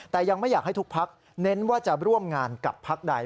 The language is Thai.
แต่ยังไม่อยากให้ทุกพักเน้นว่าจะร่วมงานกับพักใด